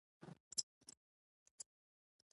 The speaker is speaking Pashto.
کار بايد تل په پوره ښه نيت سره پيل شي.